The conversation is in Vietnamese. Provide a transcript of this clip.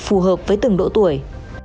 phù hợp với từng độ tuổi